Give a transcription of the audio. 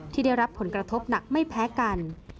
ที่ได้รับผลกระทบหนักไม่แพ้กัน